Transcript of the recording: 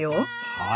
はい。